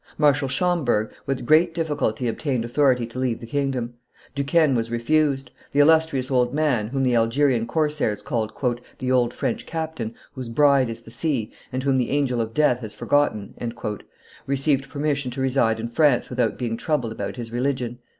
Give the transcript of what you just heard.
Marshal Schomberg with great difficulty obtained authority to leave the kingdom; Duquesne was refused. The illustrious old man, whom the Algerian corsairs called "the old French capitan, whose bride is the sea, and whom the angel of death has forgotten," received permission to reside in France without being troubled about his religion.